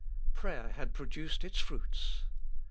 Prayer had produced its fruits.